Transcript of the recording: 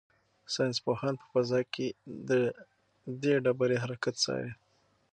ساینس پوهان په فضا کې د دې ډبرې حرکت څاري.